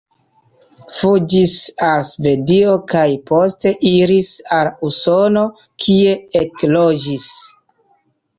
Fuĝis al Svedio kaj poste iris al Usono, kie ekloĝis.